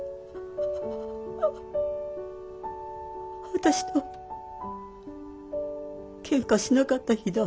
私とケンカしなかった日だわ。